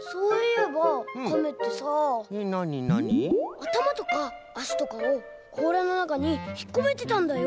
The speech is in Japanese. あたまとかあしとかをこうらのなかにひっこめてたんだよ。